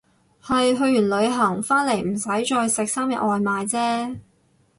係去完旅行返嚟唔使再食三日外賣姐